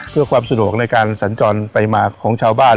เพื่อความสะดวกในการสัญจรไปมาของชาวบ้าน